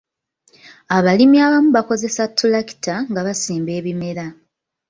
Abalimi abamu bakozesa ttulakita nga basimba ebimera.